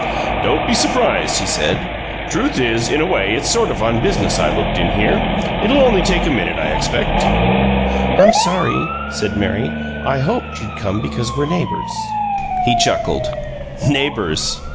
"Don't be surprised," he said. "Truth is, in a way it's sort of on business I looked in here. It'll only take a minute, I expect." "I'm sorry," said Mary. "I hoped you'd come because we're neighbors." He chuckled. "Neighbors!